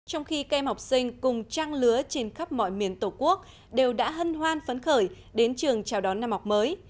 trong khi các em học sinh cùng trang lứa trên khắp mọi miền tổ quốc đều đã hân hoan phấn khởi đến trường chào đón năm học mới